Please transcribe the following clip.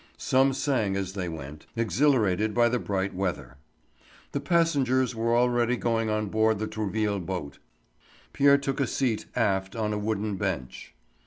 Some sang as they went, exhilarated by the bright weather. The passengers were already going on board the Trouville boat; Pierre took a seat aft on a wooden bench.